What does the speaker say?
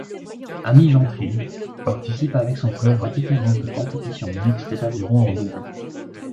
Amy Gentry participe avec son frère à différentes compétitions mixte d'aviron en double.